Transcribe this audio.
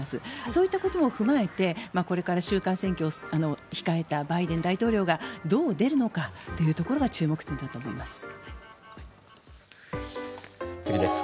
そういったことも踏まえてこれから中間選挙を控えたバイデン大統領がどう出るのかというところが注目点だと思います。